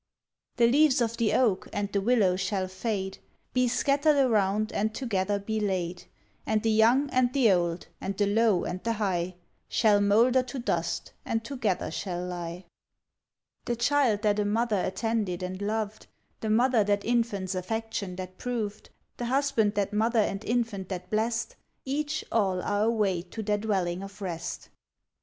The leaves of the oak and the willow shall fade, Be scattered around and together be laid; And the young and the old, and the low and the high, Shall moulder to dust and together shall lie. The child that a mother attended and loved, The mother that infant's affection that proved, The husband that mother and infant that blessed, Each, all, are away to their dwelling of rest.